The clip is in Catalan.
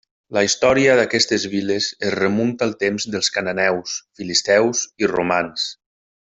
La història d'aquestes viles es remunta al temps dels cananeus, filisteus i romans.